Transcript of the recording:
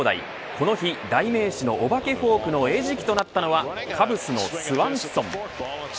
この日代名詞のお化けフォークの餌食となったのはカブスのスワンソン。